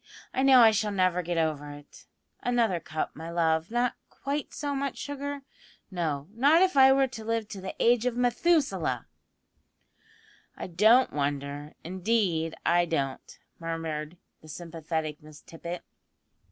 I know I shall never get over it another cup, my love; not quite so much sugar no, not if I were to live to the age of Methusaleh." "I don't wonder, indeed I don't," murmured the sympathetic Miss Tippet.